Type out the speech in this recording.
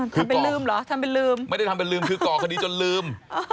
ทำเป็นลืมเหรอทำเป็นลืมไม่ได้ทำเป็นลืมคือก่อคดีจนลืม